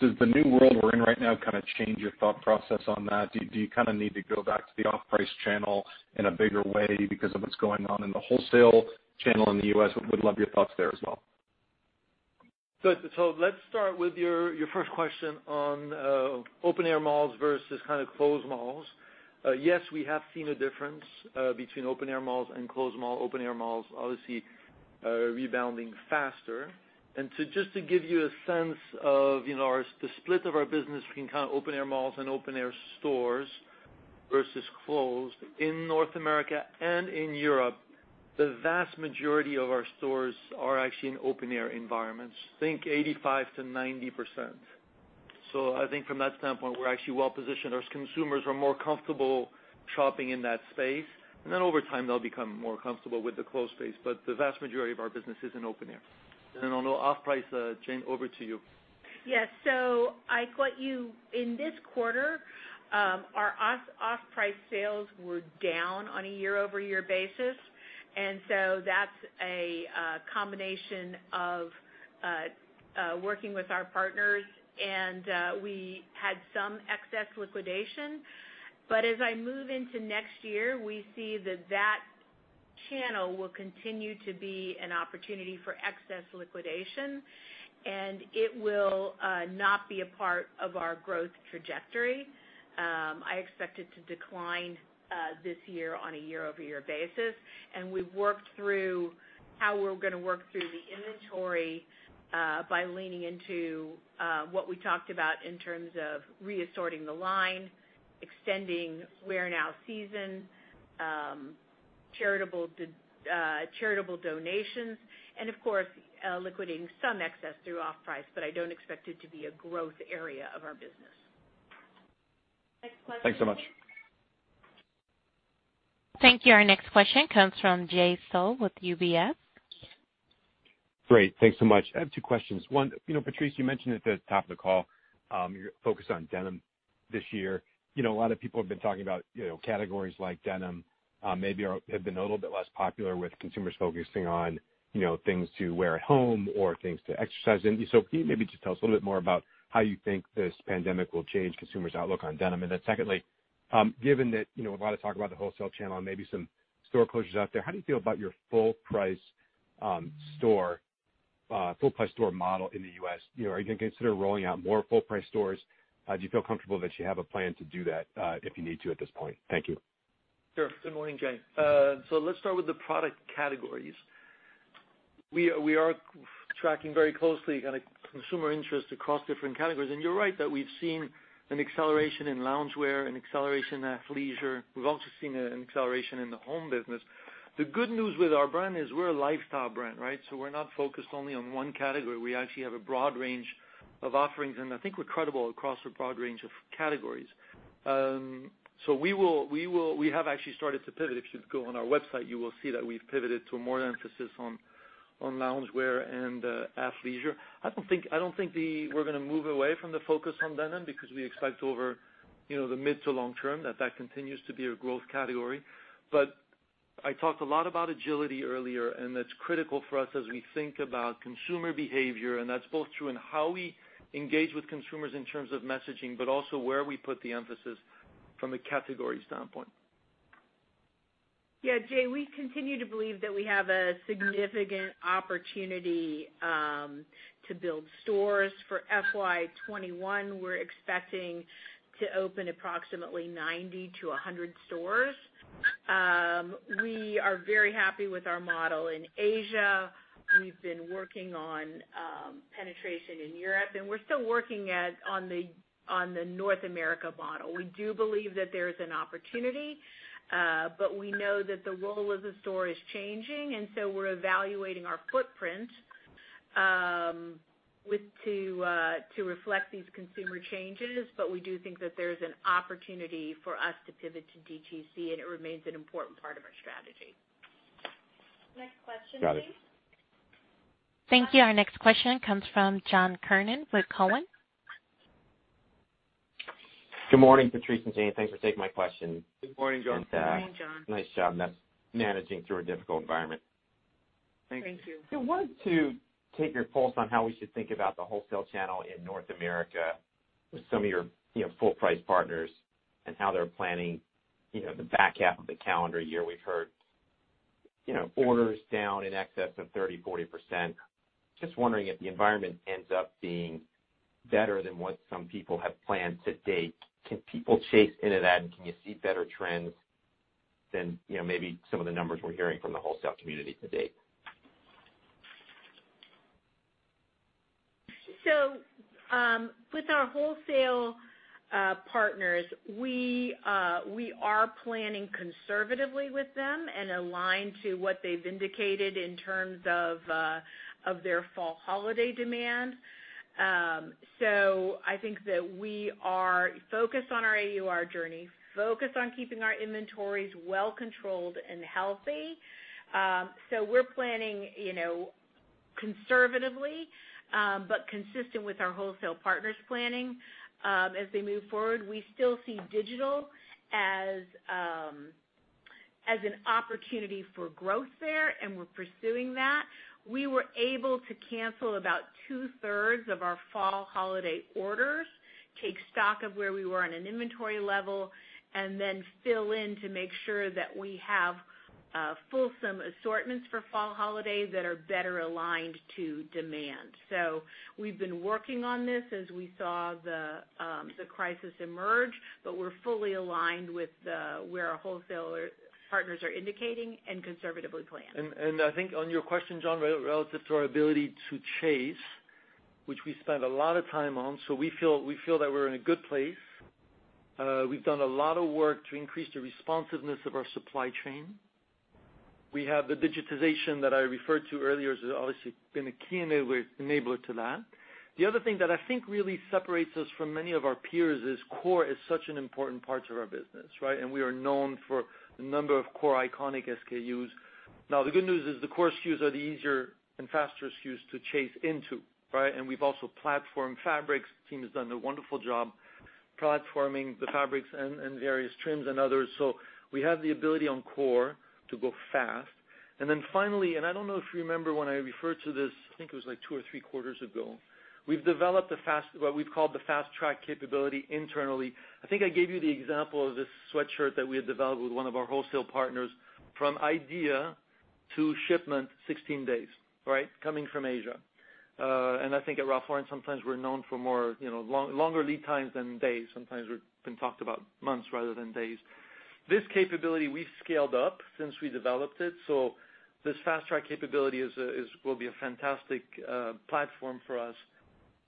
Does the new world we're in right now kind of change your thought process on that? Do you kind of need to go back to the off-price channel in a bigger way because of what's going on in the wholesale channel in the U.S.? Would love your thoughts there as well. Let's start with your first question on open air malls versus closed malls. Yes, we have seen a difference between open air malls and closed malls. Open air malls obviously are rebounding faster. Just to give you a sense of the split of our business between open air malls and open air stores versus closed, in North America and in Europe, the vast majority of our stores are actually in open air environments, think 85%-90%. I think from that standpoint, we're actually well positioned as consumers are more comfortable shopping in that space. Then over time, they'll become more comfortable with the closed space. The vast majority of our business is in open air. On off-price, Jane, over to you. Yes. Ike, in this quarter, our off-price sales were down on a year-over-year basis, that's a combination of working with our partners, and we had some excess liquidation. As I move into next year, we see that channel will continue to be an opportunity for excess liquidation, and it will not be a part of our growth trajectory. I expect it to decline this year on a year-over-year basis, and we've worked through how we're going to work through the inventory by leaning into what we talked about in terms of re-assorting the line, extending wear now season, charitable donations, and of course, liquidating some excess through off-price, I don't expect it to be a growth area of our business. Next question, please. Thanks so much. Thank you. Our next question comes from Jay Sole with UBS. Great. Thanks so much. I have two questions. One, Patrice, you mentioned at the top of the call, your focus on denim this year. A lot of people have been talking about categories like denim maybe have been a little bit less popular with consumers focusing on things to wear at home or things to exercise in. Can you maybe just tell us a little bit more about how you think this pandemic will change consumers' outlook on denim? Secondly, given that a lot of talk about the wholesale channel and maybe some store closures out there, how do you feel about your full-price store model in the U.S.? Are you going to consider rolling out more full-price stores? Do you feel comfortable that you have a plan to do that if you need to at this point? Thank you. Sure. Good morning, Jay. Let's start with the product categories. We are tracking very closely consumer interest across different categories. You're right that we've seen an acceleration in loungewear, an acceleration in athleisure. We've also seen an acceleration in the home business. The good news with our brand is we're a lifestyle brand, right? We're not focused only on one category. We actually have a broad range of offerings, and I think we're credible across a broad range of categories. We have actually started to pivot. If you go on our website, you will see that we've pivoted to more emphasis on loungewear and athleisure. I don't think we're going to move away from the focus on denim because we expect over the mid to long term that that continues to be a growth category. I talked a lot about agility earlier, and that's critical for us as we think about consumer behavior, and that's both true in how we engage with consumers in terms of messaging, but also where we put the emphasis from a category standpoint. Yeah, Jay, we continue to believe that we have a significant opportunity to build stores. For FY 2021, we're expecting to open approximately 90-100 stores. We are very happy with our model in Asia. We've been working on penetration in Europe, and we're still working on the North America model. We do believe that there is an opportunity, but we know that the role of the store is changing, and so we're evaluating our footprint to reflect these consumer changes. We do think that there is an opportunity for us to pivot to DTC, and it remains an important part of our strategy. Next question, please. Got it. Thank you. Our next question comes from John Kernan with Cowen. Good morning, Patrice and Jane. Thanks for taking my question. Good morning, John. Good morning, John. Nice job managing through a difficult environment. Thank you. Thank you. I wanted to take your pulse on how we should think about the wholesale channel in North America with some of your full-price partners and how they're planning the back half of the calendar year. We've heard orders down in excess of 30%, 40%. Just wondering if the environment ends up being better than what some people have planned to date. Can people chase into that, and can you see better trends than maybe some of the numbers we're hearing from the wholesale community to date? With our wholesale partners, we are planning conservatively with them and aligned to what they've indicated in terms of their fall holiday demand. I think that we are focused on our AUR journey, focused on keeping our inventories well controlled and healthy. We're planning conservatively, but consistent with our wholesale partners' planning as they move forward. We still see digital as an opportunity for growth there, and we're pursuing that. We were able to cancel about two-thirds of our fall holiday orders, take stock of where we were on an inventory level, and then fill in to make sure that we have fulsome assortments for fall holiday that are better aligned to demand. We've been working on this as we saw the crisis emerge, but we're fully aligned with where our wholesale partners are indicating and conservatively planning. I think on your question, John, relative to our ability to chase, which we spend a lot of time on. We feel that we're in a good place. We've done a lot of work to increase the responsiveness of our supply chain. We have the digitization that I referred to earlier as obviously been a key enabler to that. The other thing that I think really separates us from many of our peers is core is such an important part of our business, right? We are known for a number of core iconic SKUs. Now, the good news is the core SKUs are the easier and faster SKUs to chase into, right? We've also platformed fabrics. Team has done a wonderful job platforming the fabrics and various trims and others. We have the ability on core to go fast. Finally, I don't know if you remember when I referred to this, I think it was two or three quarters ago. We've developed what we've called the fast track capability internally. I think I gave you the example of this sweatshirt that we had developed with one of our wholesale partners. From idea to shipment, 16 days, right? Coming from Asia. I think at Ralph Lauren, sometimes we're known for longer lead times than days. Sometimes we've been talked about months rather than days. This capability we've scaled up since we developed it. This fast track capability will be a fantastic platform for us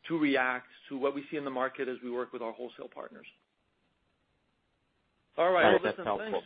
to react to what we see in the market as we work with our wholesale partners. All right. Got it. That's helpful.